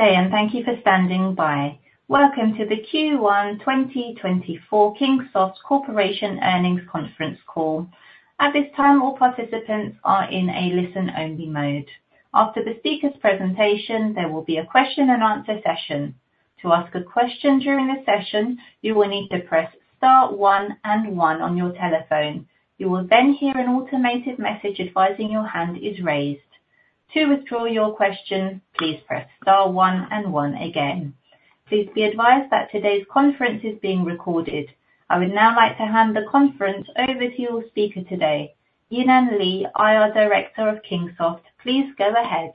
Good day, and thank you for standing by. Welcome to the Q1 2024 Kingsoft Corporation Earnings Conference Call. At this time, all participants are in a listen-only mode. After the speaker's presentation, there will be a question and answer session. To ask a question during the session, you will need to press star one and one on your telephone. You will then hear an automated message advising your hand is raised. To withdraw your question, please press star one and one again. Please be advised that today's conference is being recorded. I would now like to hand the conference over to your speaker today, Yinan Li, IR Director of Kingsoft. Please go ahead.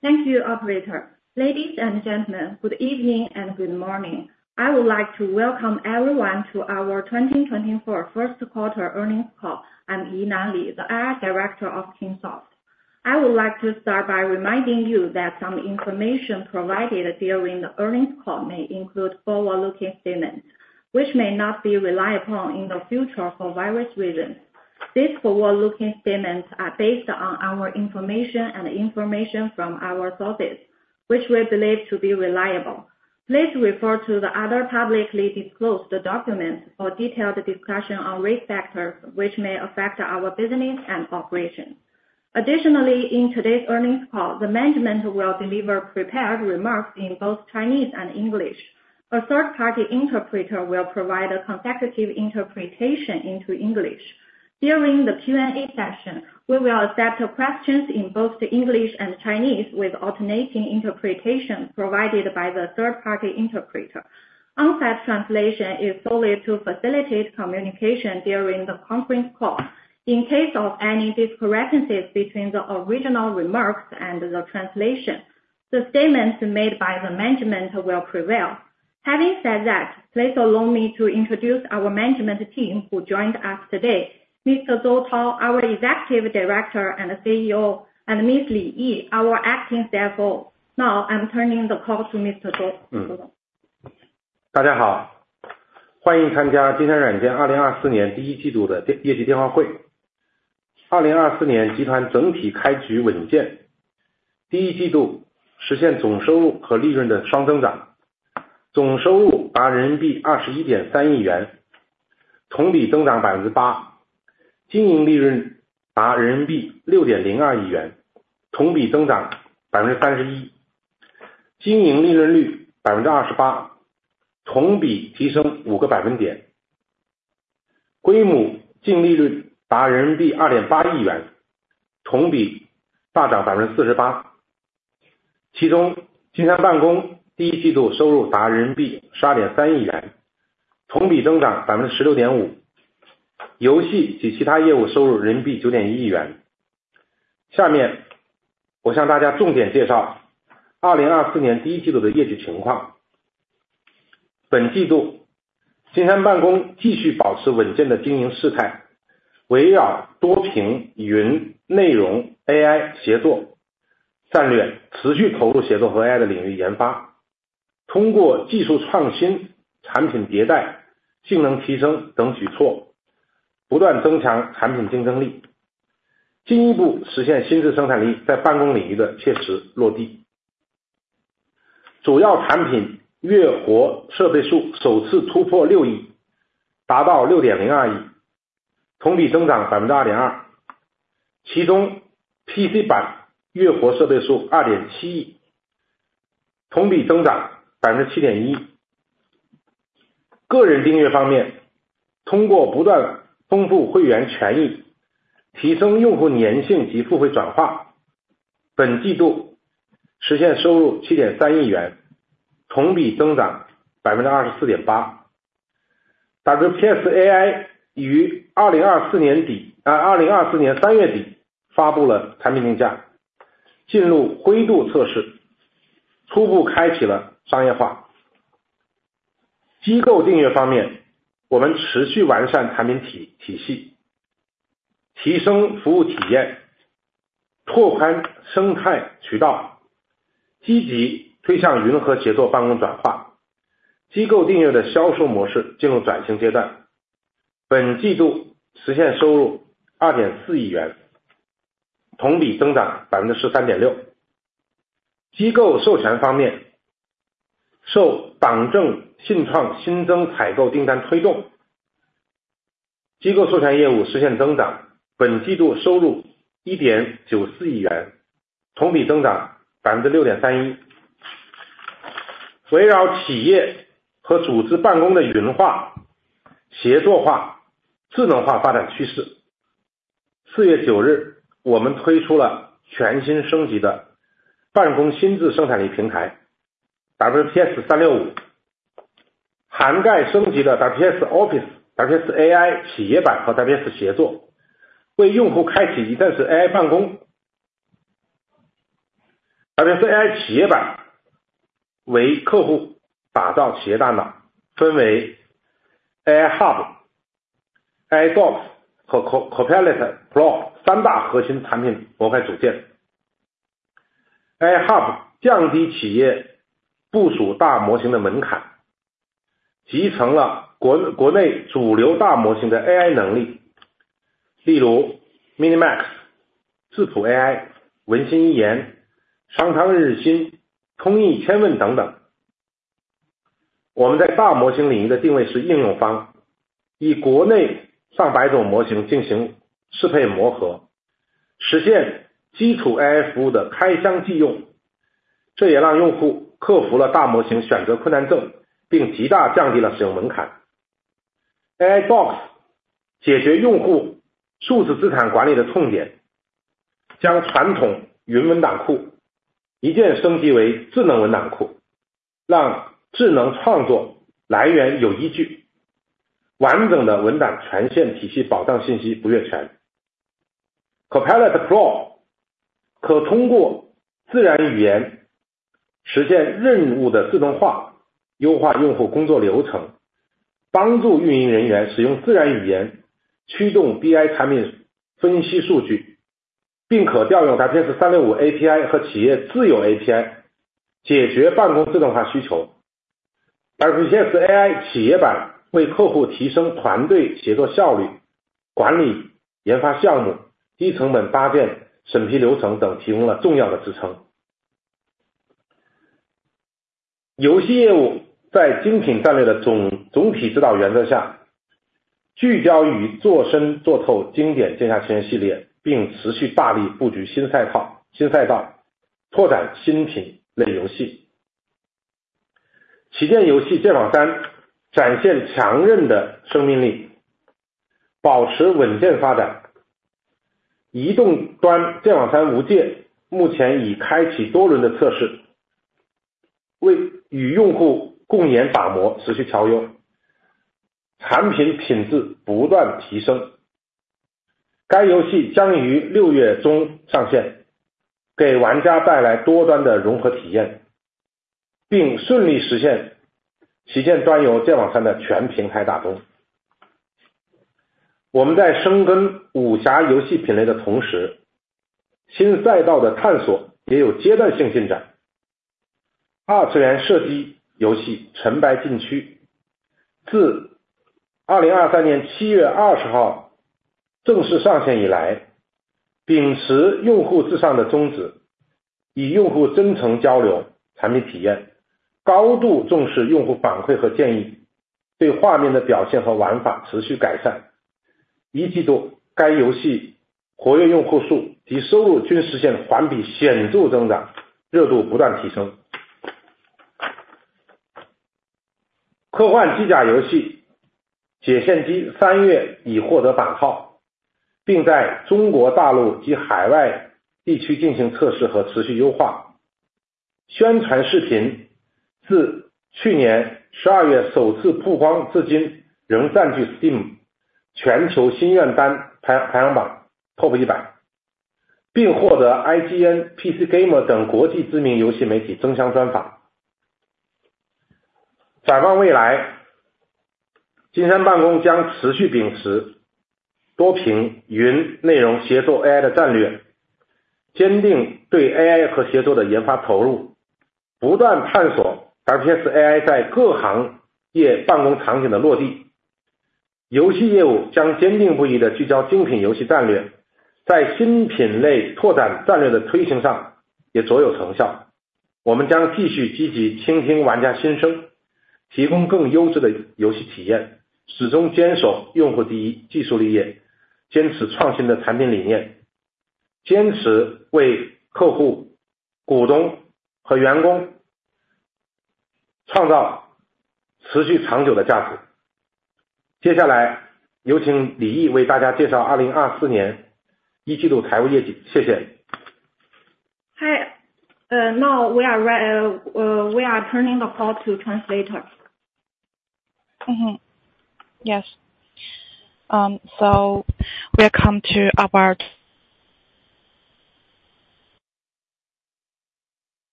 Thank you, operator. Ladies and gentlemen, good evening and good morning. I would like to welcome everyone to our 2024 first quarter earnings call. I'm Yinan Li, the IR Director of Kingsoft. I would like to start by reminding you that some information provided during the earnings call may include forward-looking statements, which may not be relied upon in the future for various reasons. These forward-looking statements are based on our information and information from our sources, which we believe to be reliable. Please refer to the other publicly disclosed documents for detailed discussion on risk factors, which may affect our business and operations. Additionally, in today's earnings call, the management will deliver prepared remarks in both Chinese and English. A third party interpreter will provide a consecutive interpretation into English. During the Q&A session, we will accept questions in both English and Chinese, with alternating interpretation provided by the third party interpreter. On-site translation is solely to facilitate communication during the conference call. In case of any discrepancies between the original remarks and the translation, the statements made by the management will prevail. Having said that, please allow me to introduce our management team who joined us today, Mr. Tao Zou, our Executive Director and CEO, and Miss Yi Li, our Acting CFO. Now I'm turning the call to Mr. Tao Zou. 大家好，欢迎参加金山软件2024年第一季度的业绩电话会。2024年集团整体开局稳健，第一季度实现总收入和利润的双增长，总收入达CNY 2.13 billion，同比增长8%，经营利润达CNY 602 million，同比增长31%，经营利润率28%，同比提升5个百分点。规模净利润达CNY 280 million，同比大涨48%。其中，金山办公第一季度收入达CNY 1.23 billion，同比增长16.5%。游戏及其他业务收入CNY 910 million。下面我向大家重点介绍2024年第一季度的业绩情况。本季度，金山办公继续保持稳定的经营态势，围绕多屏、云内容、AI协作战略，持续投入协作和AI的领域研发，通过技术创新、产品迭代、性能提升等举措，不断增强产品竞争力，进一步实现新质生产力在办公领域的切实落地。主要产品月活设备数首次突破6亿，达到6.02亿，同比增长2.2%。其中PC版月活设备数2.7亿，同比增长7.1%。个人订阅方面，通过不断丰富会员权益，提升用户粘性及付费转化，本季度实现收入CNY 730 million，同比增长24.8%。WPS AI于2024年3月底发布了产品定价，进入规模测试，初步开启了商业化。机构订阅方面，我们持续完善产品体系，提升服务体验，拓宽生态渠道，积极推向云和协作办公转化，机构订阅的销售模式进入转型阶段，本季度实现收入CNY 240 million，同比增长13.6%。机构授权方面，受党政信创新增采购订单推动，机构授权业务实现增长，本季度收入CNY 194 million，同比增长6.31%。围绕企业和组织办公的云化、协作化、智能化发展趋势，4月9日，我们推出了全新升级的办公新质生产力平台，WPS 365，涵盖升级的WPS Office、WPS AI企业版和WPS协作，为用户开启一段AI办公。WPS AI企业版为客户打造企业大脑，分为AI Hub、AI Docs和Copilot Pro三大核心产品模块组件。AI Hub降低企业部署大模型的门槛。... 集成了国内主流大模型的AI能力，例如MiniMax、智谱AI、文心一言、商汤日日新、通义千问等等。我们在大模型领域的定位是应用方，以国内上百种模型进行适配磨合，实现基础AI服务的开箱即用，这也让用户克服了大模型选择困难症，并极大降低了使用门槛。AI Docs解决用户数字资产管理的痛点，将传统云文档库一键升级为智能文档库，让智能创作来源有依据，完整的文档权限体系，保障信息不越权。Copilot Pro可以通过自然语言实现任务的自动化，优化用户工作流程，帮助运营人员使用自然语言驱动BI产品分析数据，并可调用Office 365 API和企业自有API，解决办公自动化需求。Office Hi, now we are turning the call to translator. So we are come to about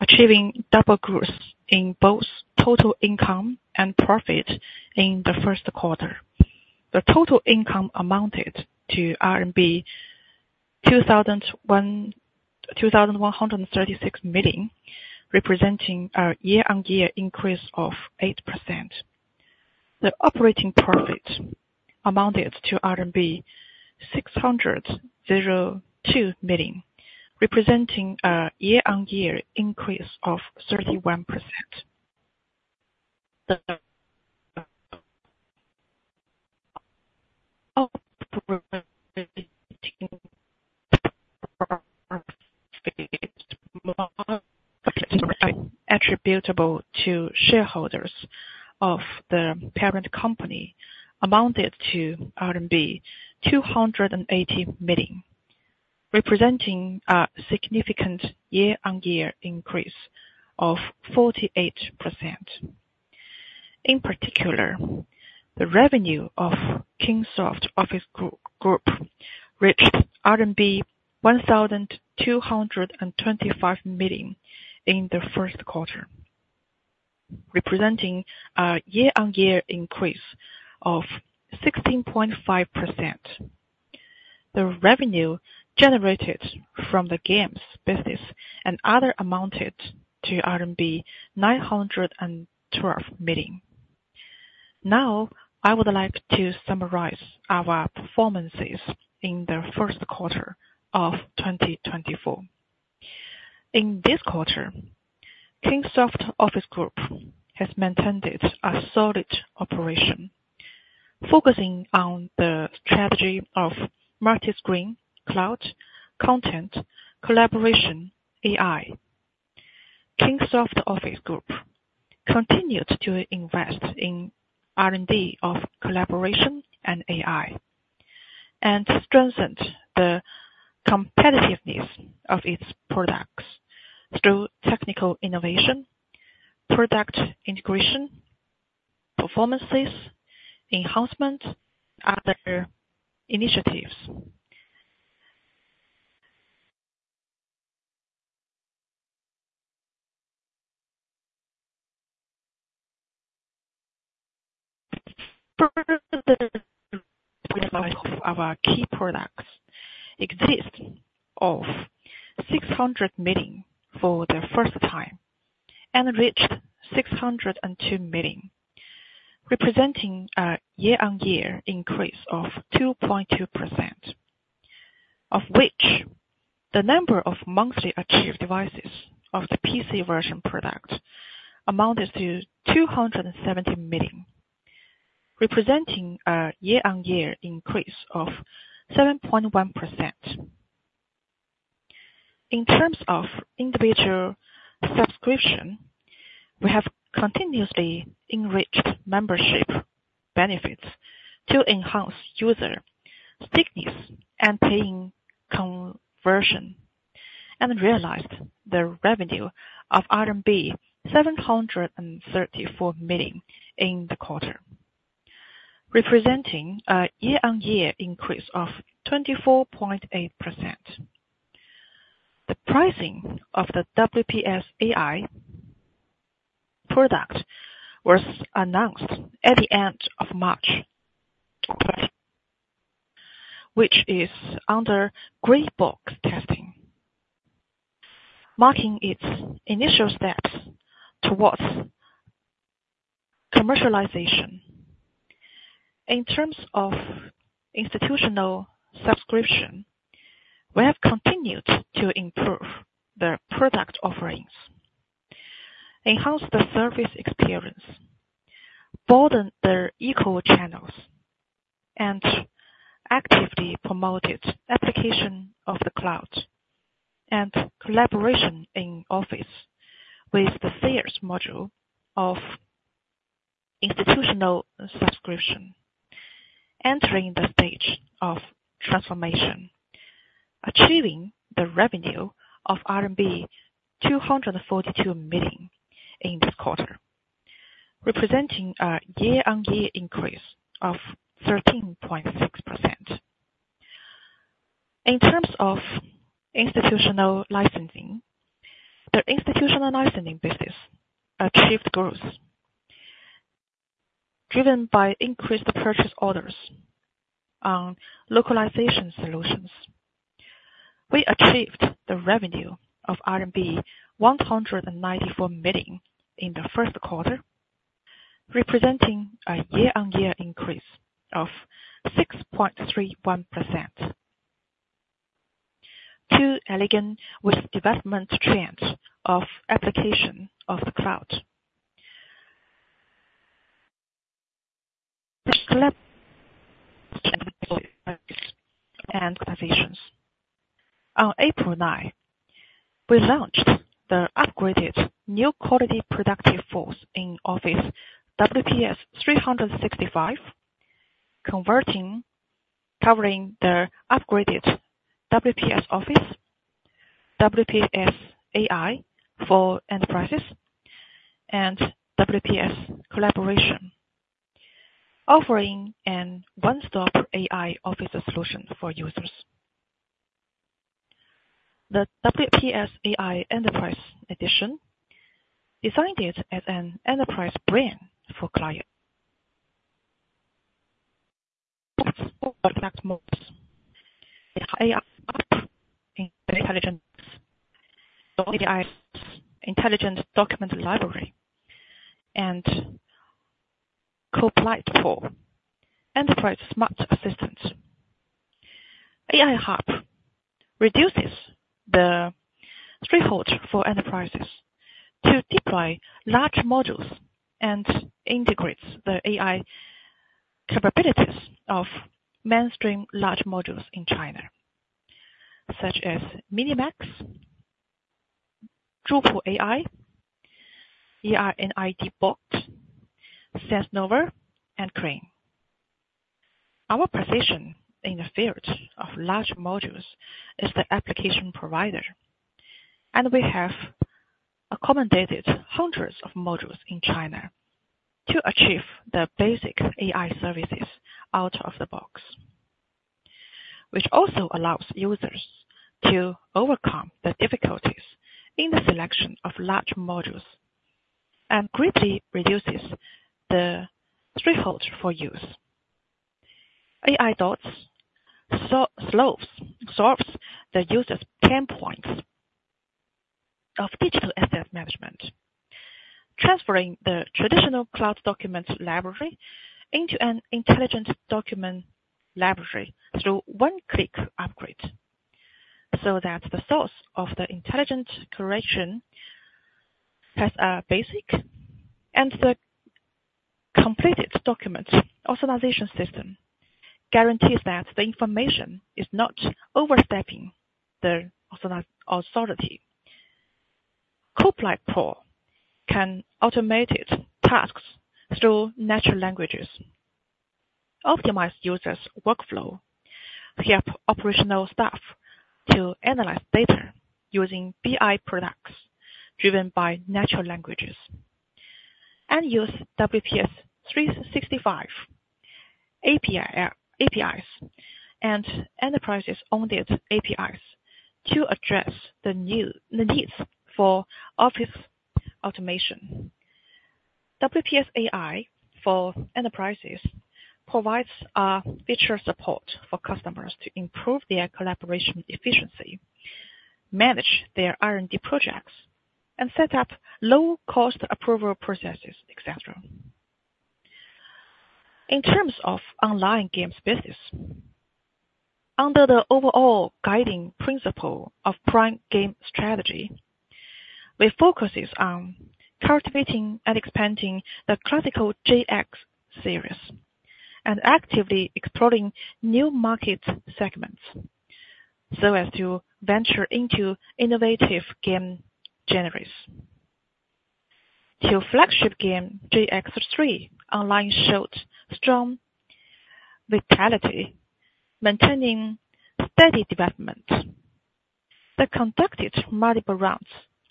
achieving double growth in both total income and profit in the first quarter. The total income amounted to RMB 2,136 million, representing a year-on-year increase of 8%. The operating profit amounted to RMB 602 million, representing a year-on-year increase of 31%. Attributable to shareholders of the parent company amounted to RMB 280 million, representing a significant year-on-year increase of 48%. In particular, the revenue of Kingsoft Office Group reached RMB 1,225 million in the first quarter, representing a year-on-year increase of 16.5%. The revenue generated from the games business and other amounted to RMB 912 million. Now, I would like to summarize our performance in the first quarter of 2024. In this quarter, Kingsoft Office Group has maintained its solid operation, focusing on the strategy of multi-screen, cloud, content, collaboration, AI. Kingsoft Office Group continued to invest in R&D of collaboration and AI, and strengthened the competitiveness of its products through technical innovation, product integration, performance enhancements, other initiatives. For the MAU of our key products, it exceeded 600 million for the first time and reached 602 million, representing a year-on-year increase of 2.2%, of which the number of monthly active devices of the PC version product amounted to 270 million, representing a year-on-year increase of 7.1%. In terms of individual subscription, we have continuously enriched membership benefits to enhance user stickiness and paying conversion, and realized the revenue of 734 million in the quarter, representing a year-over-year increase of 24.8%. The pricing of the WPS AI product was announced at the end of March, which is under Gray Box Testing, marking its initial steps towards commercialization. In terms of institutional subscription, we have continued to improve the product offerings, enhance the service experience, broaden their eco channels, and actively promoted application of the cloud and collaboration in office with the sales module of institutional subscription, entering the stage of transformation, achieving the revenue of RMB 242 million in this quarter, representing a year-over-year increase of 13.6%. In terms of institutional licensing, the institutional licensing business achieved growth, driven by increased purchase orders on localization solutions. We achieved the revenue of RMB 194 million in the first quarter, representing a year-on-year increase of 6.31%. To align with development trends of application of the cloud. On April 9, we launched the upgraded new quality productive force in office, WPS 365, converting, covering the upgraded WPS Office, WPS AI for enterprises, and WPS Collaboration, offering a one-stop AI office solution for users. The WPS AI Enterprise Edition designed it as an enterprise brain for clients. Intelligent Document Library, and Copilot for enterprise smart assistants. AI Hub reduces the threshold for enterprises to deploy large modules and integrates the AI capabilities of mainstream large modules in China, such as MiniMax, Zhipu AI, Ernie Bot, SenseNova, and Qwen. Our position in the field of large models is the application provider, and we have accommodated hundreds of models in China to achieve the basic AI services out of the box, which also allows users to overcome the difficulties in the selection of large models, and greatly reduces the thresholds for use. AI Docs solves, absorbs the user's pain points of digital asset management, transferring the traditional cloud document library into an intelligent document library through one-click upgrade, so that the source of the intelligent collection has a basic and the completed document authorization system guarantees that the information is not overstepping the authority. Copilot Pro can automate tasks through natural language, optimize users' workflow, help operational staff to analyze data using BI products driven by natural language, and use WPS 365 API, APIs, and enterprises-owned APIs to address the needs for office automation. WPS AI for enterprises provides feature support for customers to improve their collaboration efficiency, manage their R&D projects, and set up low-cost approval processes, et cetera. In terms of online games business, under the overall guiding principle of prime game strategy, we focuses on cultivating and expanding the classical JX series, and actively exploring new market segments, so as to venture into innovative game genres. Our flagship game, JX3 Online showed strong vitality, maintaining steady development. They conducted multiple rounds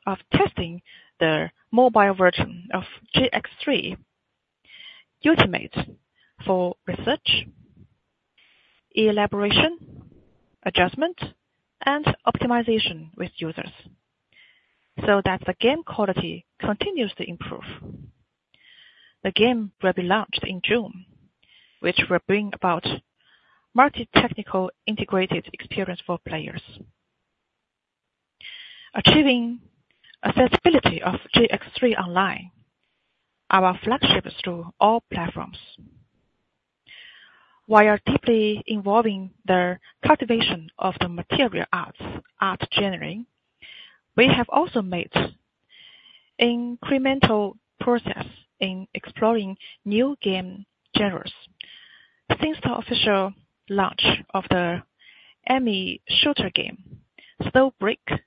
of testing the mobile version of JX3 Ultimate for research, elaboration, adjustment, and optimization with users, so that the game quality continues to improve. The game will be launched in June, which will bring about multi-technical integrated experience for players. Achieving accessibility of JX3 Online, our flagship through all platforms. While actively involving the cultivation of the material arts, art genre, we have also made incremental progress in exploring new game genres. Since the official launch of the Snowbreak: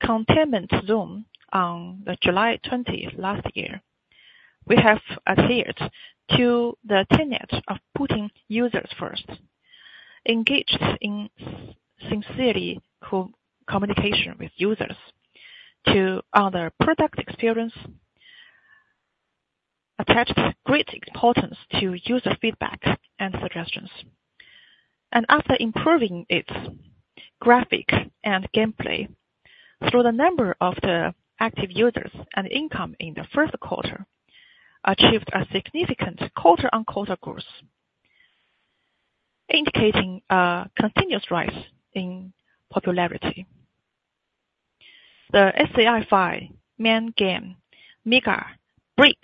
Containment Zone shooter game on July 20 last year, we have adhered to the tenet of putting users first, engaged in sincerely co-communication with users to other product experience, attached great importance to user feedbacks and suggestions. After improving its graphics and gameplay, the number of the active users and income in the first quarter achieved a significant quarter-on-quarter growth, indicating a continuous rise in popularity. The sci-fi main game, Mecha Break,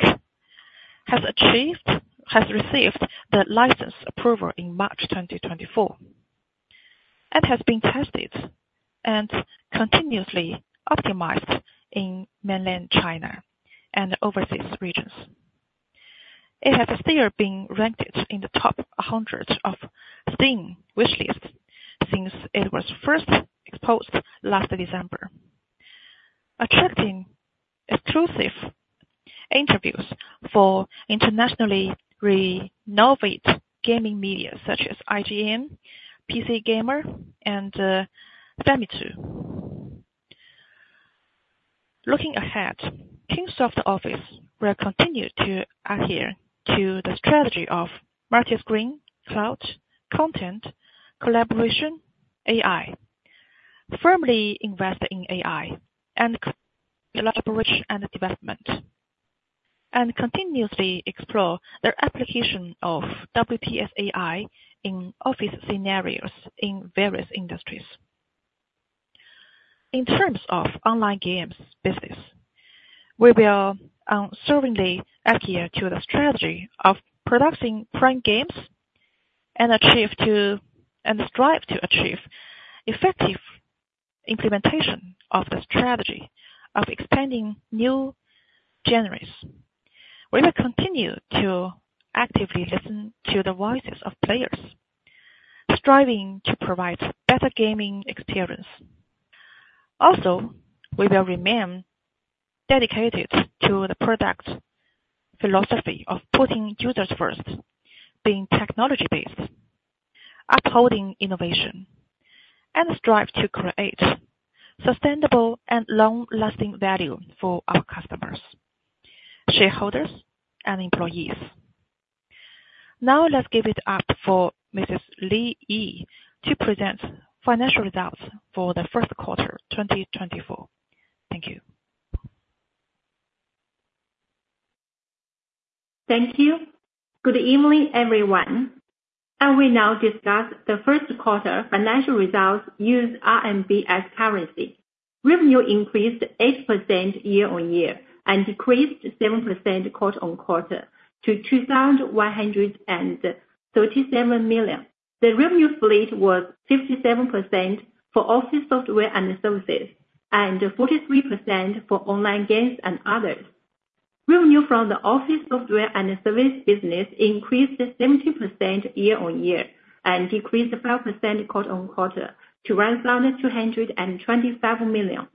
has received the license approval in March 2024, and has been tested and continuously optimized in mainland China and overseas regions. It has still been ranked in the top 100 of Steam wish lists since it was first exposed last December, attracting exclusive interviews for internationally renowned gaming media such as IGN, PC Gamer, and Famitsu. Looking ahead, Kingsoft Office will continue to adhere to the strategy of multi-screen, cloud, content, collaboration, AI. Firmly invest in AI and elaboration and development, and continuously explore the application of WPS AI in office scenarios in various industries. In terms of online games business, we will certainly adhere to the strategy of producing prime games, and strive to achieve effective implementation of the strategy of expanding new genres. We will continue to actively listen to the voices of players, striving to provide better gaming experience. Also, we will remain dedicated to the product's philosophy of putting users first, being technology-based, upholding innovation, and strive to create sustainable and long-lasting value for our customers, shareholders and employees. Now let's give it up for Mrs. Yinan Li to present financial results for the first quarter 2024. Thank you. Thank you. Good evening, everyone. I will now discuss the first quarter financial results using RMB as currency. Revenue increased 8% year-on-year and decreased 7% quarter-on-quarter to 2,137 million. The revenue split was 57% for office software and services, and 43% for online games and others. Revenue from the office software and service business increased 17% year-on-year and decreased 5% quarter-on-quarter to 1,225 million.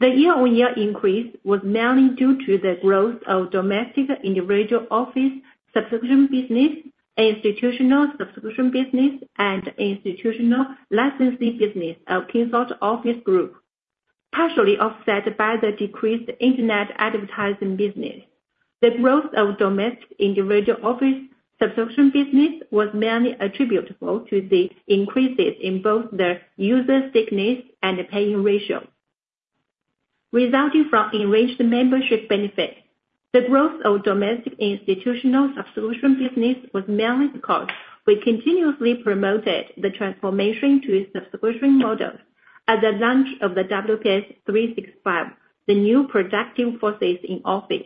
The year-on-year increase was mainly due to the growth of domestic individual office subscription business, institutional subscription business, and institutional licensing business of Kingsoft Office Group, partially offset by the decreased internet advertising business. The growth of domestic individual office subscription business was mainly attributable to the increases in both the user stickiness and the paying ratio, resulting from enriched membership benefits. The growth of domestic institutional subscription business was mainly because we continuously promoted the transformation to a subscription model at the launch of the WPS 365, the new productive forces in office.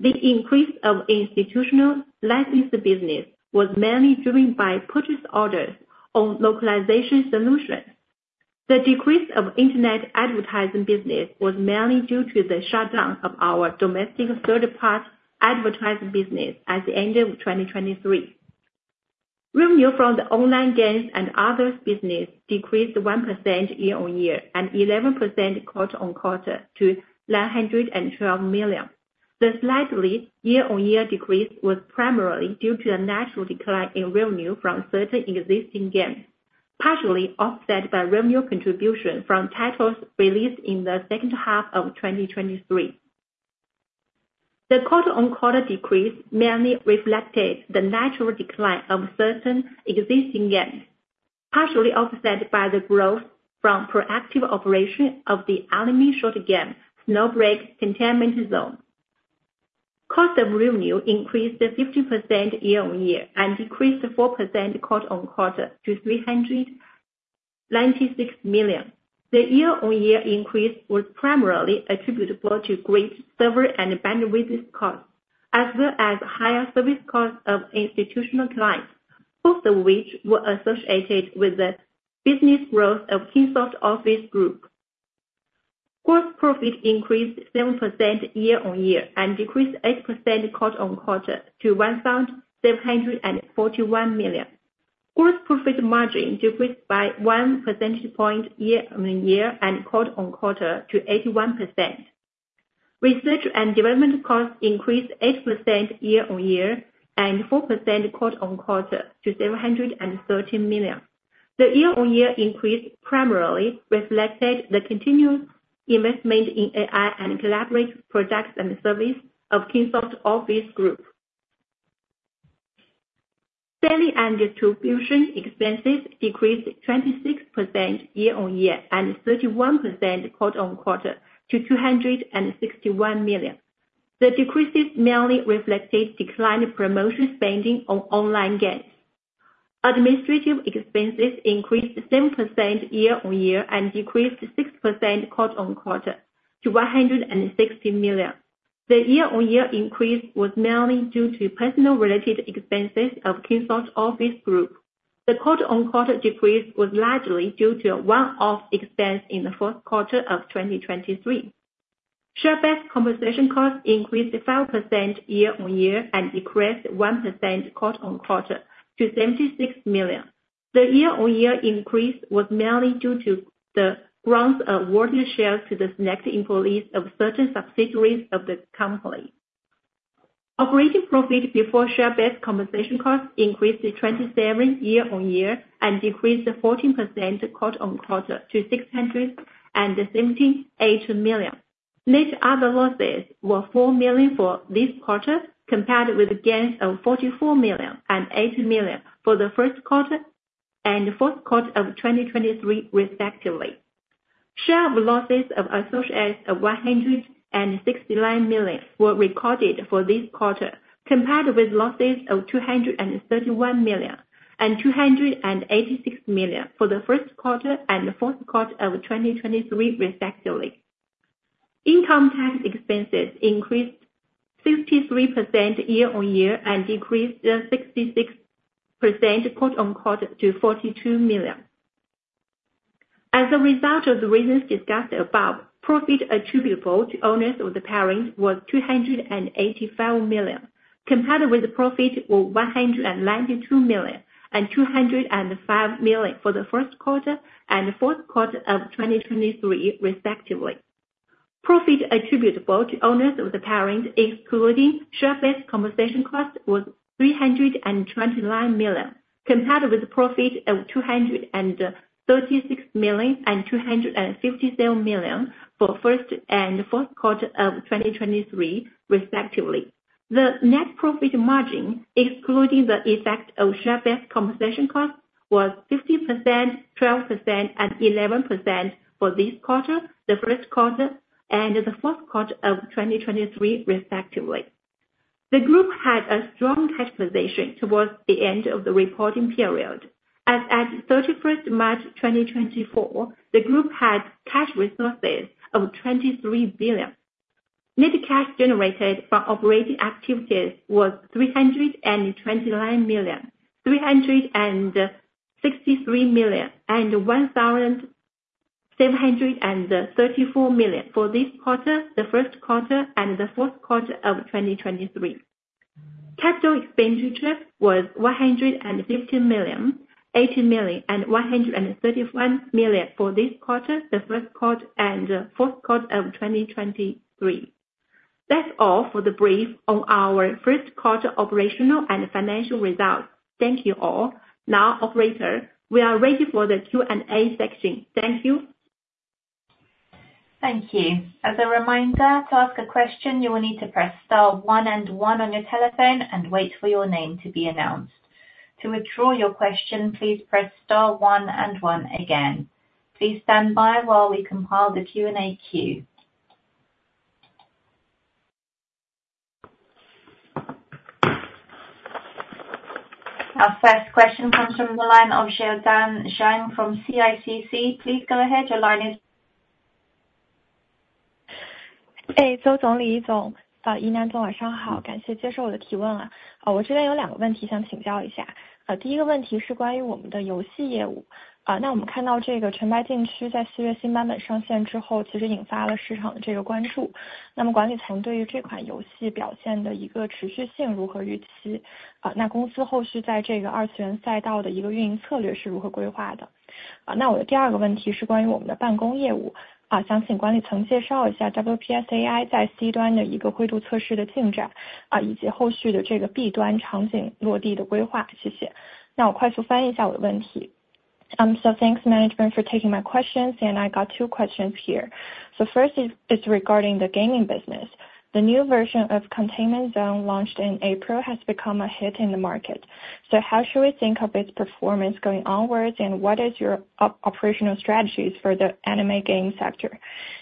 The increase of institutional licensed business was mainly driven by purchase orders on localization solutions. The decrease of internet advertising business was mainly due to the shutdown of our domestic third-party advertising business at the end of 2023. Revenue from the online games and others business decreased 1% year-on-year and 11% quarter-on-quarter to 912 million. The slightly year-on-year decrease was primarily due to a natural decline in revenue from certain existing games, partially offset by revenue contribution from titles released in the second half of 2023. The quarter-on-quarter decrease mainly reflected the natural decline of certain existing games, partially offset by the growth from proactive operation of the anime shooter game, Snowbreak: Containment Zone. Cost of revenue increased 50% year-on-year and decreased 4% quarter-on-quarter to 396 million. The year-on-year increase was primarily attributable to grid, server, and bandwidth costs, as well as higher service costs of institutional clients, both of which were associated with the business growth of Kingsoft Office Group. Gross profit increased 7% year-on-year and decreased 8% quarter-on-quarter to 1,741 million. Gross profit margin decreased by one percentage point year-on-year and quarter-on-quarter to 81%. Research and development costs increased 8% year-on-year and 4% quarter-on-quarter to 730 million. The year-on-year increase primarily reflected the continued investment in AI and collaboration products and services of Kingsoft Office Group. Selling and distribution expenses decreased 26% year-on-year and 31% quarter-on-quarter to 261 million. The decreases mainly reflected declined promotion spending on online games. Administrative expenses increased 7% year-on-year and decreased 6% quarter-on-quarter to 160 million. The year-on-year increase was mainly due to personnel-related expenses of Kingsoft Office Group. The quarter-on-quarter decrease was largely due to a one-off expense in the fourth quarter of 2023. Share-based compensation costs increased 5% year-on-year and decreased 1% quarter-on-quarter to 76 million. The year-on-year increase was mainly due to the grants of awarded shares to the selected employees of certain subsidiaries of the company. Operating profit before share-based compensation costs increased 27% year-on-year and decreased 14% quarter-on-quarter to 678 million. Net other losses were 4 million for this quarter, compared with gains of 44 million and 80 million for the first quarter and fourth quarter of 2023 respectively. Share of losses of associates of 169 million were recorded for this quarter, compared with losses of 231 million and 286 million for the first quarter and the fourth quarter of 2023 respectively. Income tax expenses increased 63% year-on-year and decreased 66% quarter-on-quarter to 42 million. As a result of the reasons discussed above, profit attributable to owners of the parent was 285 million, compared with profit of 192 million and 205 million for the first quarter and fourth quarter of 2023 respectively. Profit attributable to owners of the parent, excluding share-based compensation cost, was 329 million, compared with a profit of 236 million and 257 million for first and fourth quarter of 2023 respectively. The net profit margin, including the effect of share-based compensation cost, was 50%, 12%, and 11% for this quarter, the first quarter, and the fourth quarter of 2023 respectively. The group had a strong cash position towards the end of the reporting period. As at 31 March 2024, the group had cash resources of 23 billion. Net cash generated from operating activities was 329 million, 363 million, and 1,734 million for this quarter, the first quarter, and the fourth quarter of 2023. Capital expenditure was 150 million, 80 million, and 131 million for this quarter, the first quarter and fourth quarter of 2023. That's all for the brief on our first quarter operational and financial results. Thank you all. Now, operator, we are ready for the Q&A section. Thank you. Thank you. As a reminder, to ask a question, you will need to press star one and one on your telephone and wait for your name to be announced. To withdraw your question, please press star one and one again. Please stand by while we compile the Q&A queue. Our first question comes from the line of Xiao Zhang from CICC. Please go ahead, your line is- 哎，邹总，李总，宜兰，晚上好，感谢接受我的提问。我这边有两个问题想请教一下，第一个问题是关于我们的游戏业务，我们看到这个尘白禁区在四月新版本上线之后，其实引发了市场的关注，那么管理层对于这款游戏表现的持续性如何预期？公司后续在这个二次元赛道的一个运营策略是如何规划的？我的第二个问题是关于我们的办公业务，想请管理层介绍一下 WPS AI 在 C 端的一个规模测试的进展，以及后续的这个 B 端场景落地的规划。谢谢。那我快速翻译一下我的问题。So thanks management for taking my questions, and I got two questions here. So first is regarding the gaming business. The new version of Containment Zone launched in April has become a hit in the market. So how should we think of its performance going onwards, and what is your operational strategies for the anime game sector?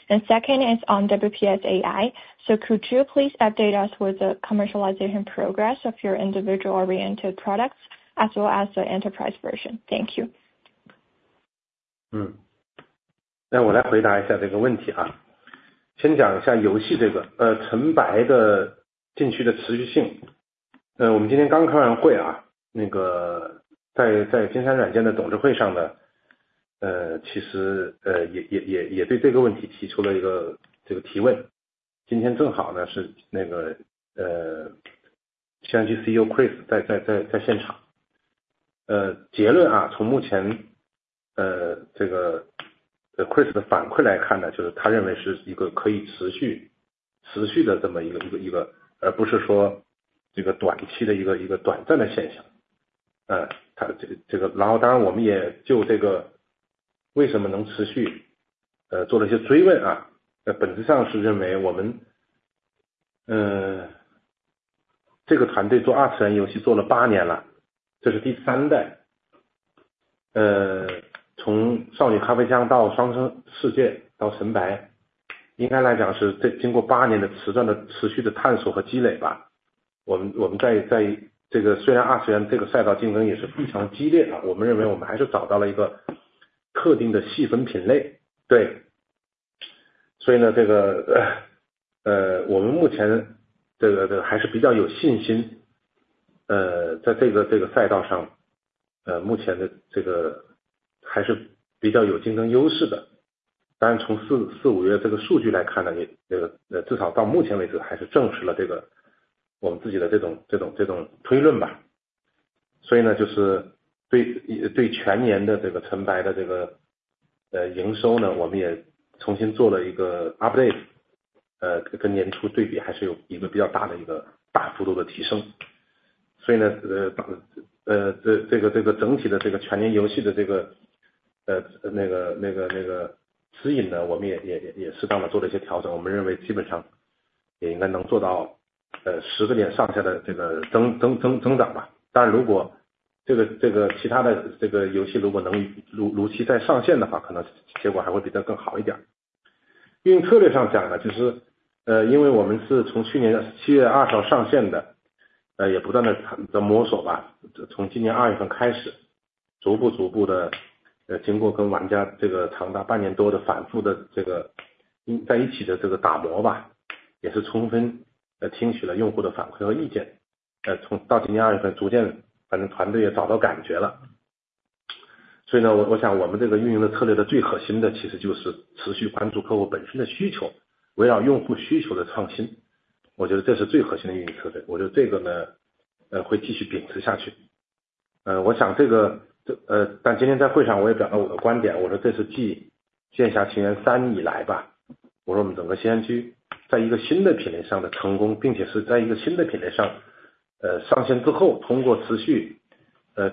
And second is on WPS AI. So could you please update us with the commercialization progress of your individual-oriented products as well as the enterprise version? Thank you.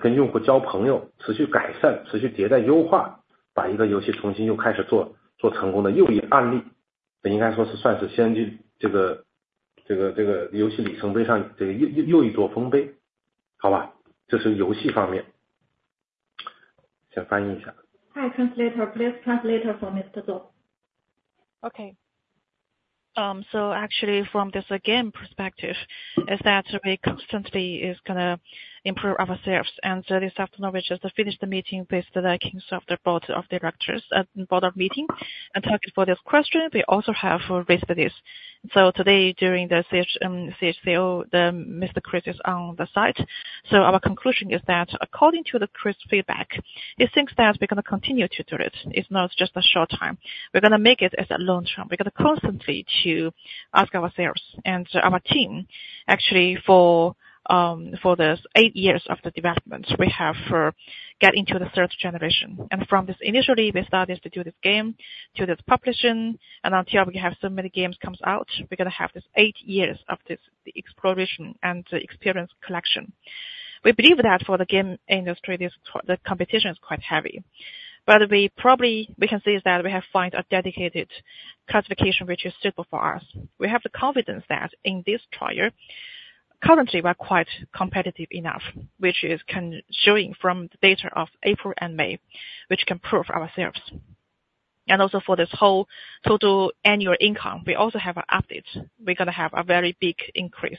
跟用户交朋友，持续改进，持续迭代优化，把一个游戏重新又开始做，做成功的又一案例，这应该说是算是先进这个游戏里程碑上这个又一座丰碑。好吧，这是游戏方面。先翻译一下。Hi translator, please translate for Mr. Zou. so actually from this game perspective, is that we constantly is kind of improve ourselves, and so this afternoon we just finished the meeting with the Kingsoft board of directors and board meeting, and thank you for this question. We also have raised this. So today, during the CHCCO, CEO Chris is on site. So our conclusion is that according to the Chris feedback, he thinks that we're going to continue to do it. It's not just a short time, we're going to make it as a long term. We're going to constantly to ask ourselves, and our team, actually for this 8 years of the developments we have gotten into the third generation, and from this initially, we started to do this game, to this publishing, and until we have so many games comes out, we're going to have these 8 years of this exploration and experience collection. We believe that for the game industry, the competition is quite heavy, but we probably can see that we have find a dedicated classification, which is suitable for us. We have the confidence that in this trial, currently we are quite competitive enough, which is kind of showing from the data of April and May, which can prove ourselves. And also for this whole total annual income, we also have an update. We're going to have a very big increase,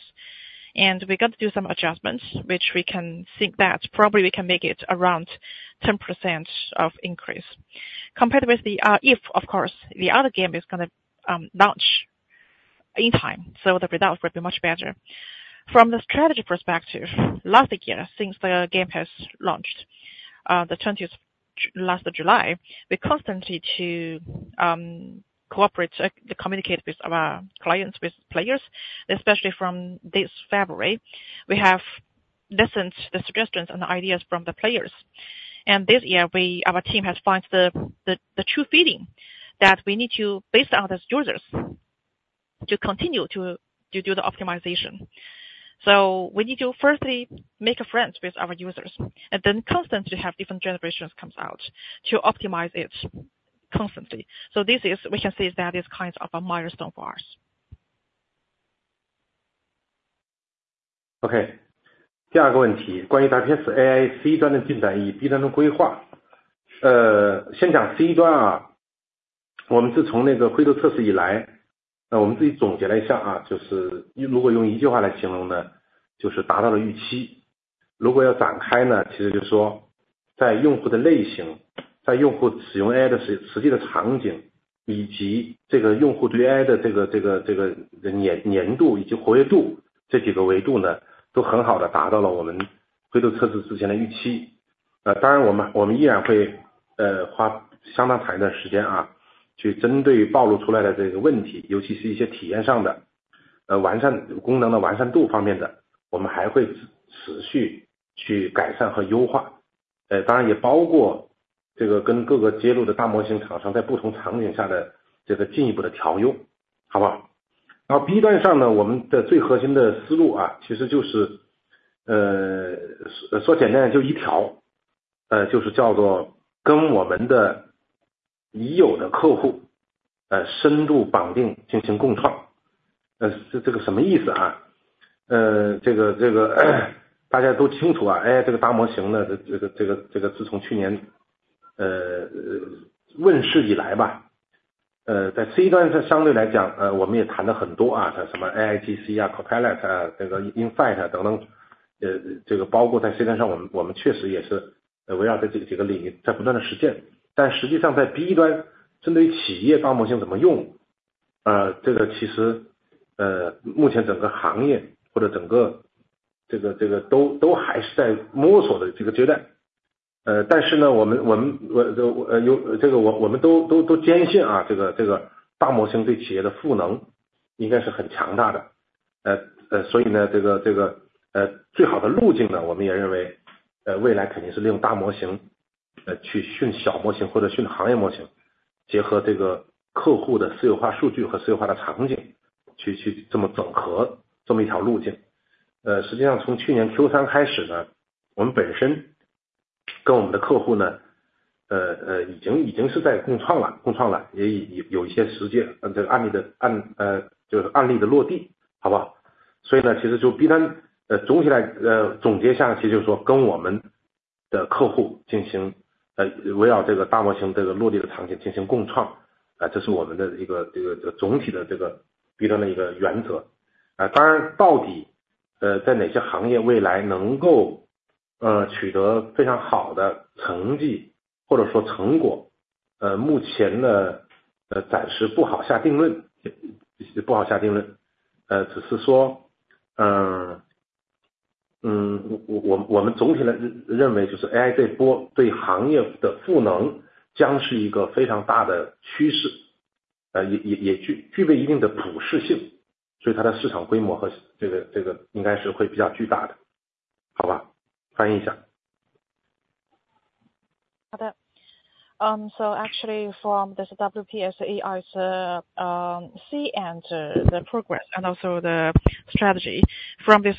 and we got to do some adjustments, which we can think that probably we can make it around 10% increase compared with the... If, of course, the other game is going to launch in time, so the result will be much better. From the strategy perspective, last year, since the game has launched, July 20, we constantly to cooperate, to communicate with our clients, with players, especially from this February, we have listened the suggestions and ideas from the players, and this year our team has found the true feeling that we need to base on those users to continue to do the optimization. We need to firstly make friends with our users, and then constantly have different generations comes out to optimize it constantly. This is we can see that is kind of a milestone for us. OK，第二个问题，关于WPS AI ... Okay. So actually from this WPS AI, C-end, the progress, and also the strategy from this,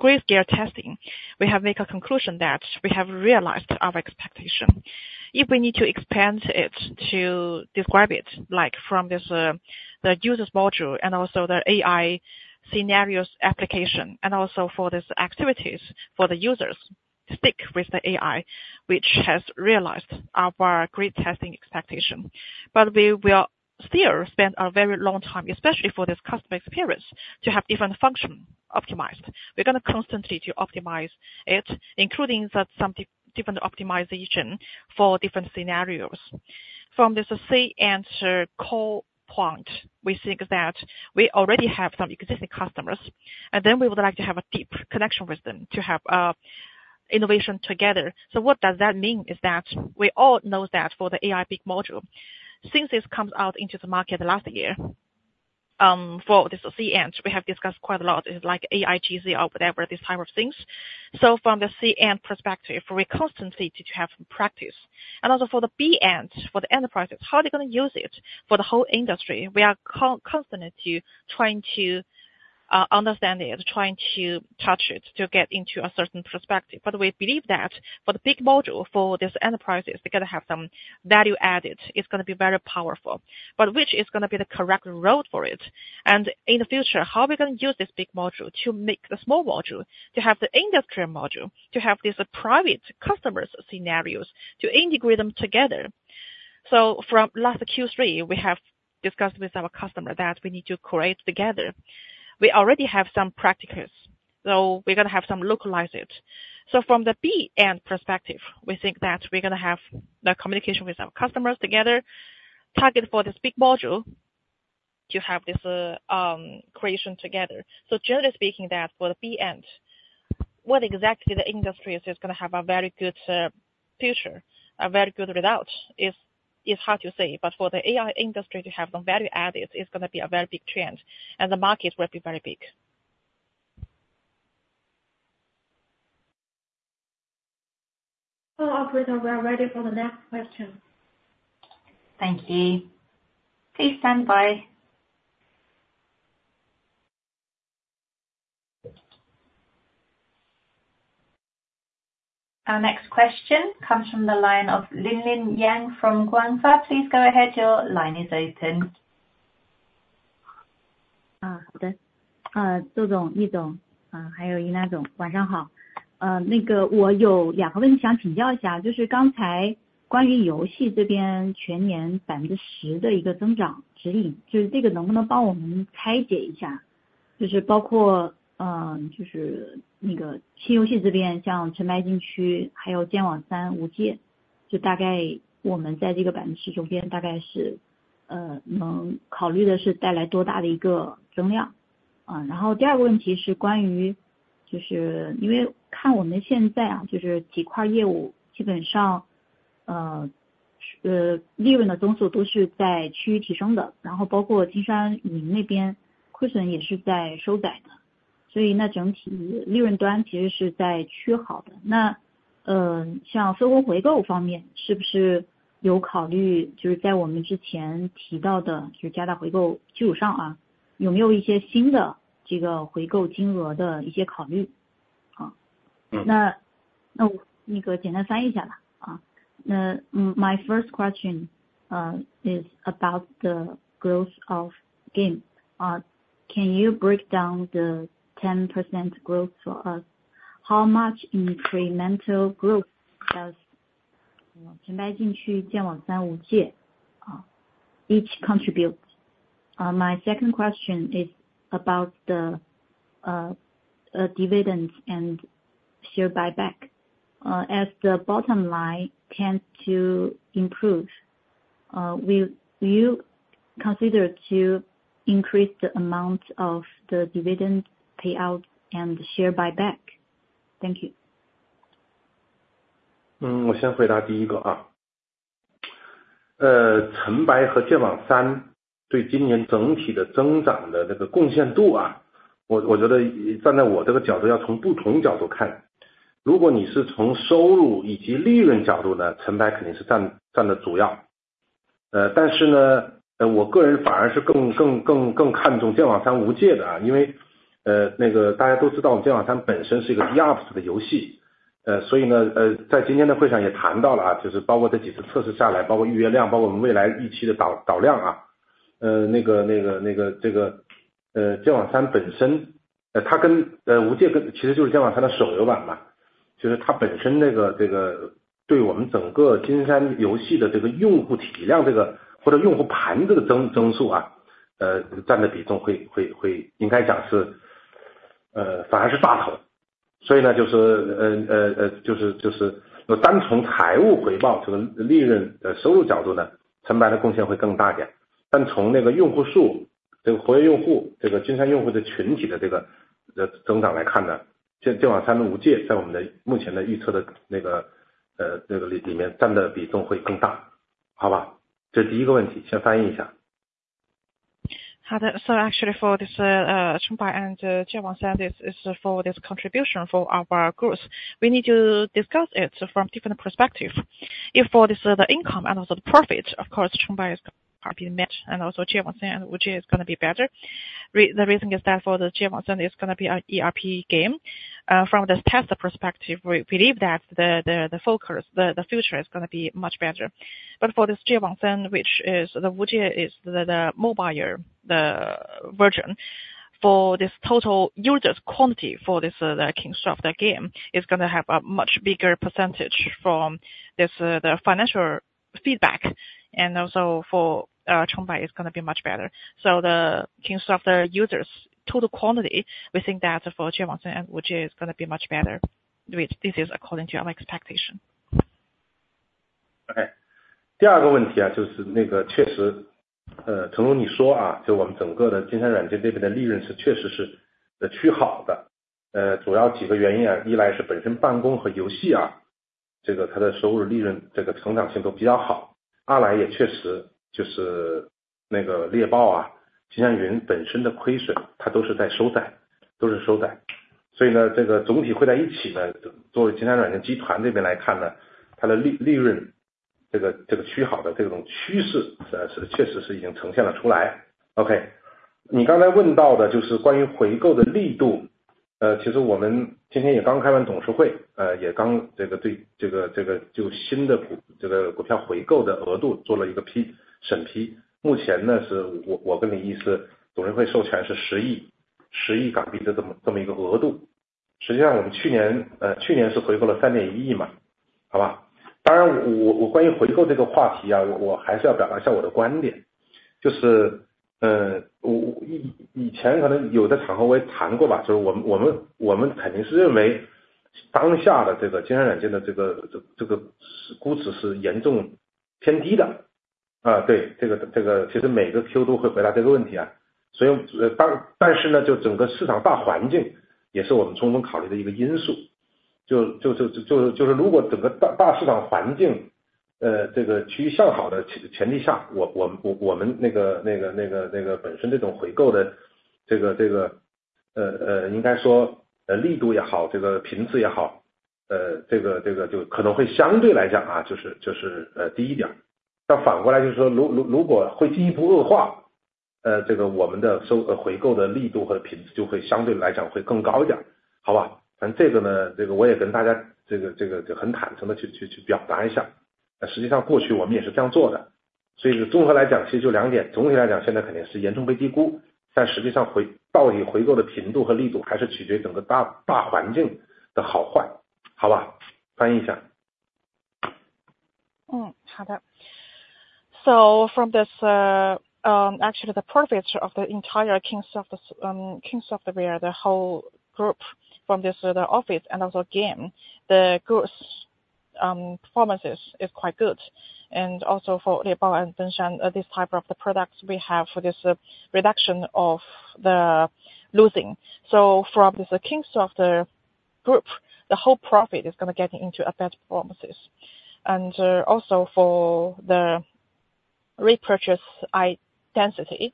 grayscale testing, we have make a conclusion that we have realized our expectation. If we need to expand it to describe it, like from this, the users module, and also the AI scenarios application, and also for this activities for the users stick with the AI, which has realized our grayscale testing expectation. But we will still spend a very long time, especially for this customer experience, to have different function optimized. We're going to constantly to optimize it, including that some different optimization for different scenarios. From this C-end core point, we think that we already have some existing customers, and then we would like to have a deep connection with them to have a innovation together. So what does that mean is that we all know that for the AI big module, since this comes out into the market last year, for this C-end, we have discussed quite a lot, it's like AIGC or whatever, these type of things. So from the C-end perspective, we constantly to have practice, and also for the B-end, for the enterprises, how they're going to use it for the whole industry? We are constantly trying to understand it, trying to touch it, to get into a certain perspective. But we believe that for the big module, for this enterprises, they're going to have some value added. It's going to be very powerful, but which is going to be the correct road for it? And in the future, how we're going to use this big module to make the small module, to have the industrial module, to have these private customers scenarios, to integrate them together. So from last Q3, we have discussed with our customer that we need to create together. We already have some practices, so we're going to have some localize it. So from the B-end perspective, we think that we're going to have the communication with our customers together, target for this big module to have this creation together. So generally speaking, that for the B-end, what exactly the industry is going to have a very good future, a very good result is, is hard to say, but for the AI industry to have some value added, it's going to be a very big trend, and the market will be very big. Operator, we are ready for the next question. Thank you. Please stand by. Our next question comes from the line of Linlin Yang from Guang Fa. Please go ahead, your line is open. 好的。周总，李总，还有尹总，晚上好。我有两个问题想请教一下，就是刚才关于游戏这边全年10%的增长指引，就是这个能不能帮我们拆解一下？就是包括，那个新游戏这边，像陈白金区，还有剑网三无界，就大概我们在这个10%这边，大概是，能考虑的是带来多大的一个增量。然后第二个问题是关于，就是因为看我们现在啊，就是几块业务，基本上，利润的增速都是在趋于提升的，然后包括金山云那边亏损也是在收窄的，所以那整体利润端其实是在趋好的。那，像分红回购方面，是不是有考虑，就是在我们之前提到的是加大回购基础上啊，有没有一些新的这个回购金额的一些考虑？好的，那我简单翻译一下吧。嗯，My first question is about the growth of game. Can you break down the 10% growth for us? How much incremental growth does Snowbreak: Containment Zone, JX3 Ultimate, each contribute? My second question is about the dividends and share buyback. As the bottom line tends to improve, will you consider to increase the amount of the dividend payout and share buyback? Thank you. Okay, so actually for this, and this one is for this contribution for our growth, we need to discuss it from different perspective. If for this the income and also the profit, of course, is probably match and also which is going to be better. The reason is that for the GM is going to be an ERP game, from this test perspective, we believe that the focus, the future is going to be much better. But for this year one thing, which is the Wuji, is the mobile, the version for this total users quantity for this Kingsoft, the game is going to have a much bigger percentage from this, the financial feedback. And also for Chongqing's is going to be much better. So the Kingsoft users to the quality, we think that for GM which is going to be much better, which this is according to our expectation. OK，第二个问题啊，就是那个确实，正如你说啊，就我们整个的金山软件这边的利润是确实是趋好的，主要几个原因，一来是本身办公和游戏啊，这个它的收入利润，这个成长性都比较好。二来也确实就是那个猎豹啊，金山云本身的亏损，它都是在收窄，都是收窄。所以呢，这个总体合在一起呢，作为金山软件集团这边来看呢，它的利，利润这个，这个趋好的这种趋势，是，是确实是已经呈现出来了。OK，你刚才问到的就是关于回购的力度，其实我们今天也刚开完董事会，也刚这个对，这个，这个就是新的股，这个股票回购的额度做了一个批，审批。目前呢，是我，我跟您一是董事会授权是10亿，10亿港币的这么，这么一个额度。实际上我们去年，去年是回购了3.1亿嘛，好吧，当然我，我关于回购这个话题啊，我还是要表达一下我的观点，就是，我，以，以前可能有的场合我也谈过吧，就是我们，我们，我们肯定是认为当下的这个金山软件的这个，这，这这个估值是严重偏低的。啊，对，这个，这个其实每个Q都会回答这个问题啊。所以，但是呢，就整个市场大环境也是我们充分考虑的一个因素，就，就，就，就是，就是如果整个大，大市场环境，这个趋向好的前，前提下，我，我们，我，我们那个，那个，那个，那个本身这种回购的这个，这个，应该说力度也好，这个频次也好，呃，这个，这个就可能会相对来讲啊，就是，就是，呃，低一点。但反过来就是说，如，如，如如果会进一步恶化，呃，这个我们的收，回购的力度和频次就会相对来讲会更高一点，好吧。反正这个呢，这个我也跟大家这个，这个很坦诚地去，去，去表达一下，但实际上过去我们也是这样做的。所以综合来讲，其实就两点，总体来讲现在肯定是严重被低估，但实际上回，到底回购的频率和力度还是取决于整个大，大环境的优劣，好吧，翻译一下。嗯, 好的。So from this, actually the profits of the entire Kingsoft, Kingsoft where the whole group from this the office and also game, the goods, performances is quite good. And also for 猎豹 and 奔驰, this type of the products we have for this reduction of the losing. From the Kingsoft group, the whole profit is going to get into a better performances. Also for the repurchase i density.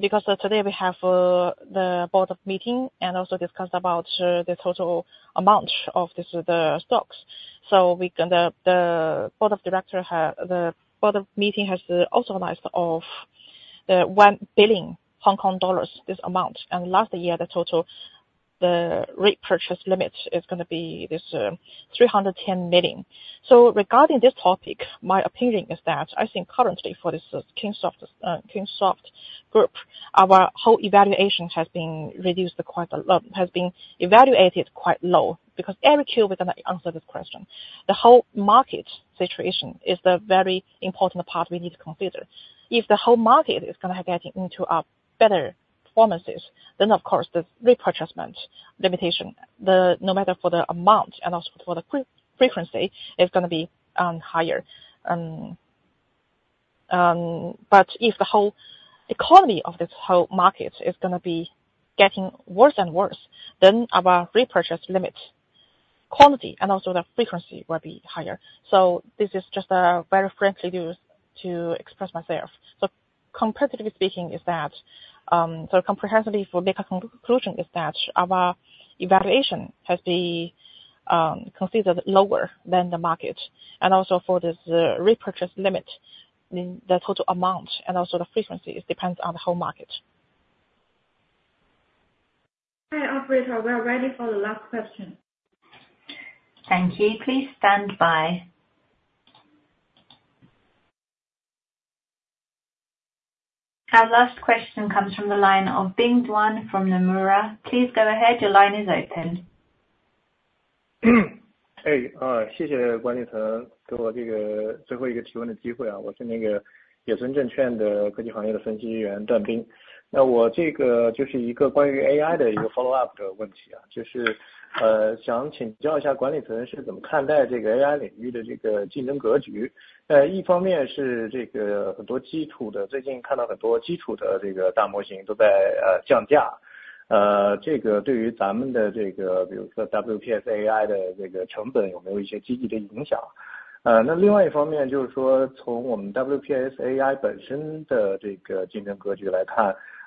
Because today we have the board of meeting and also discussed about the total amount of this the stocks. We can, the board of director have the board of meeting has authorized of the 1 billion Hong Kong dollars this amount, and last year the total the repurchase limit is going to be this 310 million. Regarding this topic, my opinion is that I think currently for this Kingsoft, Kingsoft Group, our whole evaluation has been reduced quite a lot, has been evaluated quite low, because every Q we gonna answer this question. The whole market situation is the very important part we need to consider. If the whole market is going to get into a better performances, then of course the repurchase amount limitation, no matter for the amount and also for the frequency, is going to be higher. But if the whole economy of this whole market is going to be getting worse and worse, then our repurchase limit quantity and also the frequency will be higher. This is just a very frankly view to express myself. Comparatively speaking, is that, comprehensively for the conclusion is that our evaluation has be, considered lower than the market, and also for this repurchase limit, mean the total amount and also the frequency is depends on the whole market. Hi operator, we are ready for the last question. Thank you, please stand by. Our last question comes from the line of Bing Duan from Nomura. Please go ahead, your line is open. 谢谢管理层给我这个最后一个提问的机会啊，我是那个野村证券的科技行业的分析师段冰。那我这个就是一个关于AI的一个follow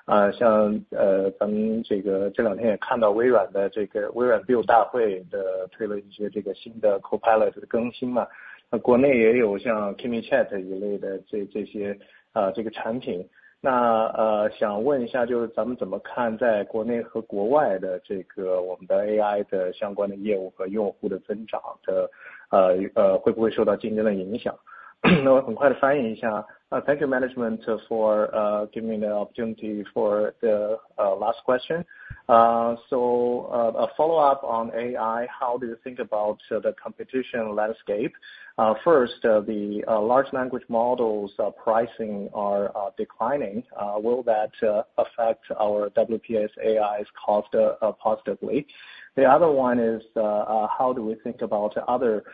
AI本身的这个竞争格局来看，像咱们这个这两天也看到微软的这个Microsoft Build大会推出了一些这个新的Copilot的更新嘛，那国内也有像Kimi Chat一类的这些，这个产品。那，想问一下，就是咱们怎么看在国内和国外的这个我们的AI的相关业务和用户的增长的，会不会受到竞争的影响？那我很快地翻译一下。Thank you management for giving me the opportunity for the last question. So, a follow-up on AI, how do you think about the competition landscape? First, the large language models' pricing is declining. Will that affect our WPS AI's cost positively? The other one is how do we think about other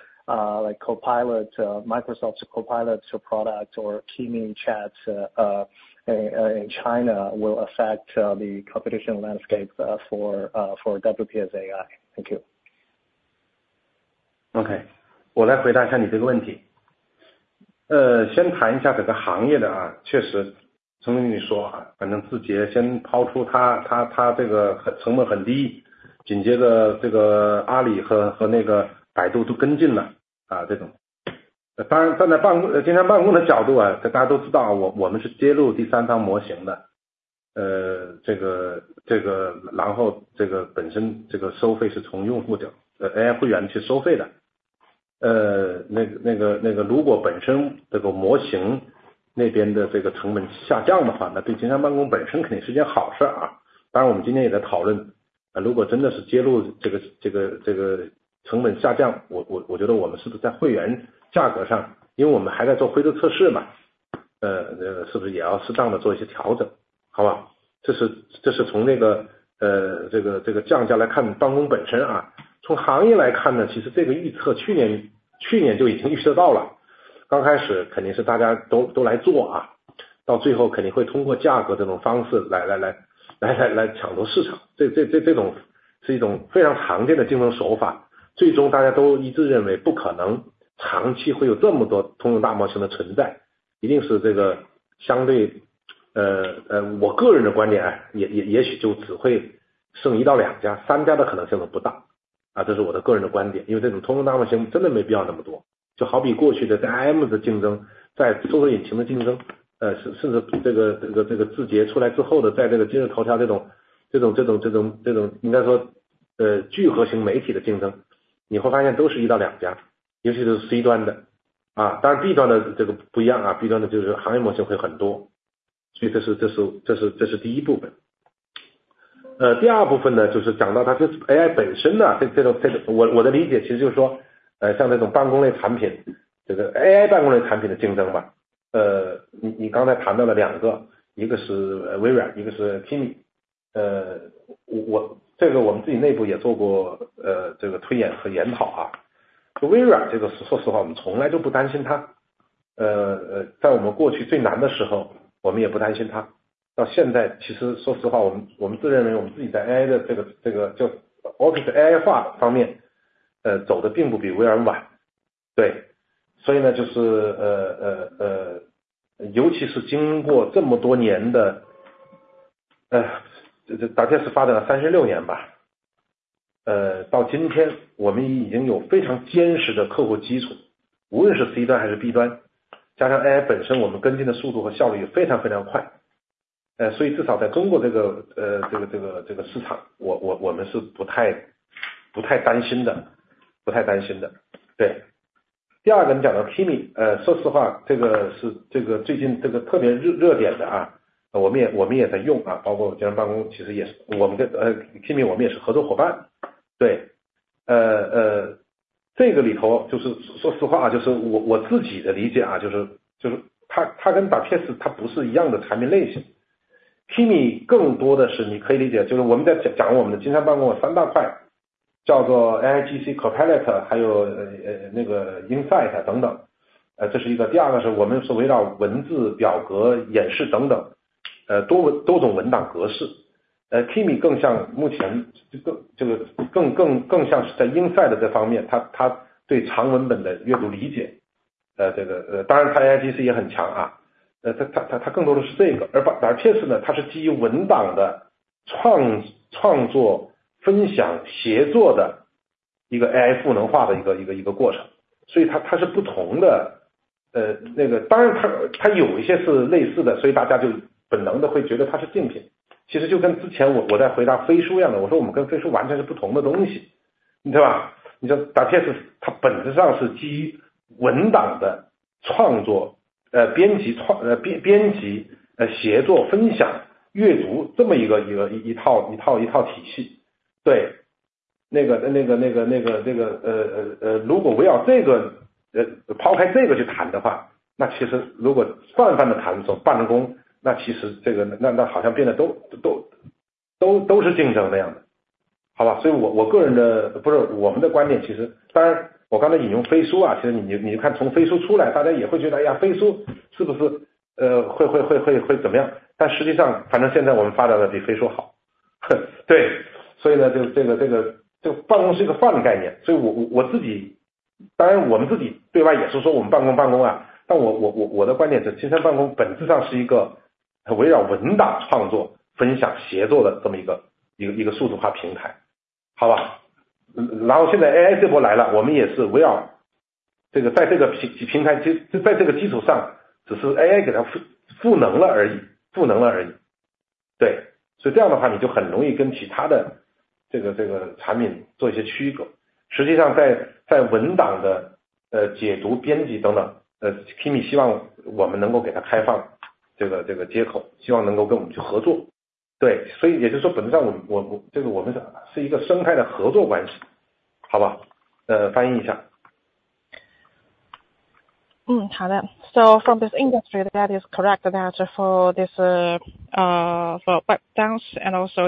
So from this industry that is correct, that's for this and also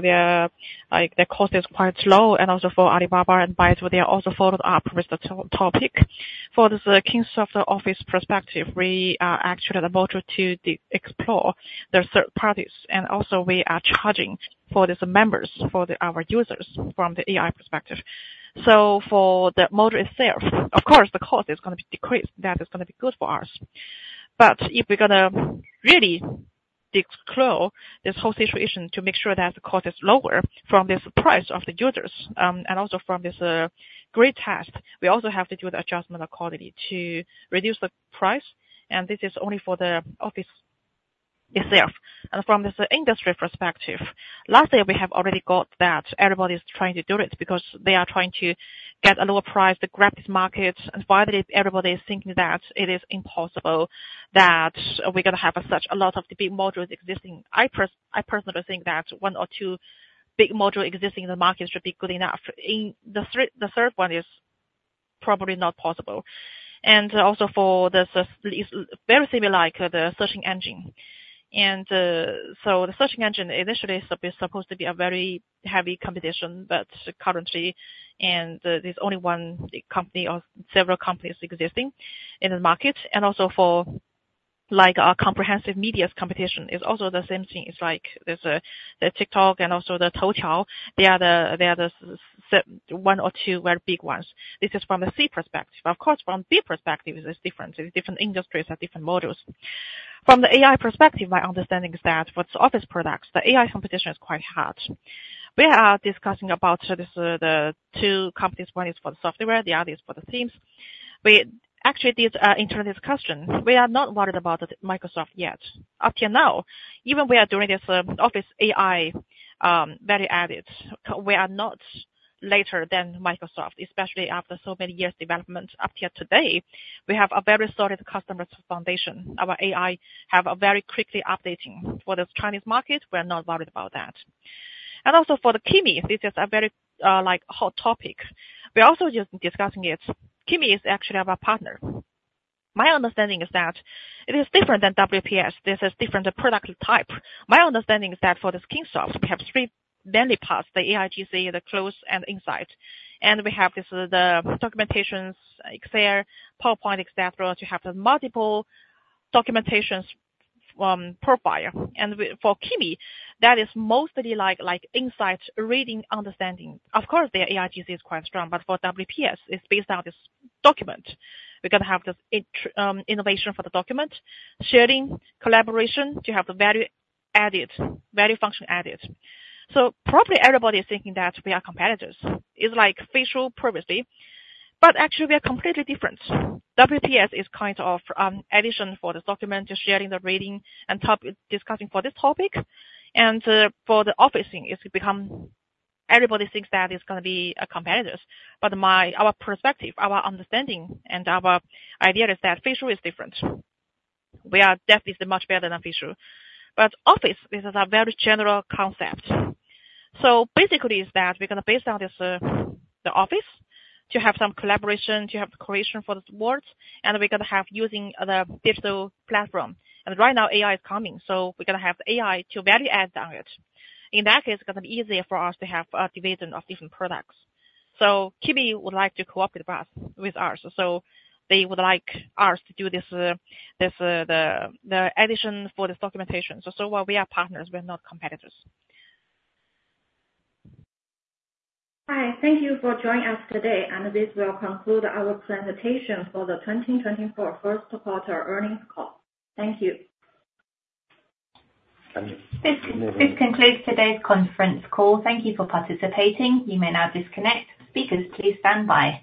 their, like their cost is quite low and also for Alibaba and Byte, they are also followed up with the low-cost. For this Kingsoft Office perspective, we are actually the first to explore the third parties, and also we are charging for these members, for our users from the AI perspective. So for the model itself, of course the cost is going to be decreased. That is going to be good for us. But if we're going to really explore this whole situation to make sure that the cost is lower for this price to the users, and also from this great task, we also have to do the adjustment of quality to reduce the price. And this is only for the office itself. From this industry perspective, lastly, we have already got that. Everybody is trying to do it because they are trying to get a lower price to grab this market. And finally, everybody is thinking that it is impossible that we're going to have such a lot of the big models existing. I personally think that one or two big model existing in the market should be good enough. In the third one is probably not possible. And also, this is very similar like the search engine. The search engine initially is supposed to be a very heavy competition, but currently, there's only one big company or several companies existing in the market, and also for like a comprehensive media competition, is also the same thing. It's like there's a, the TikTok and also the Toutiao. They are the C one or two very big ones. This is from a C perspective. Of course, from B perspective, it is different. Different industries have different models. From the AI perspective, my understanding is that for office products, the AI competition is quite hard. We are discussing about this, the two companies. One is for the software, the other is for the teams. We actually, these are internal discussions. We are not worried about Microsoft yet. Up to now, even we are doing this, Office AI, value added, we are not later than Microsoft, especially after so many years development, up to today, we have a very solid customer foundation. Our AI have a very quickly updating for the Chinese market. We are not worried about that. And also for the Kimi, this is a very like hot topic. We are also just discussing it. Kimi is actually our partner. My understanding is that it is different than WPS. This is different product type. My understanding is that for this Kingsoft, we have three main parts, the AIGC, the cloud and insights, and we have this, the documents, Excel, PowerPoint, etc. To have the multiple documents, profile. And we, for Kimi, that is mostly like, insights, reading, understanding. Of course, their AIGC is quite strong, but for WPS, it's based on this document. We're going to have this innovation for the document, sharing, collaboration to have the value added, value function added. So probably everybody is thinking that we are competitors, superficially, but actually we are completely different. WPS is kind of addition for the document, just sharing, the reading and discussing for this topic and for the office thing, it's become everybody thinks that it's going to be a competitor. But our perspective, our understanding and our idea is that Visio is different. We are definitely much better than Visio, but office, this is a very general concept. So basically is that we're going to based on this, the office to have some collaboration, to have the creation for the boards, and we're going to have using the digital platform. And right now AI is coming, so we're going to have AI to value add on it. In that case, it's going to be easier for us to have division of different products. So Kimi would like to cooperate with us, with us, so they would like us to do this addition for this documentation. So what we are partners, we're not competitors. Hi, thank you for joining us today. This will conclude our presentation for the 2024 first quarter earnings call. Thank you. This concludes today's conference call. Thank you for participating. You may now disconnect. Speakers, please stand by.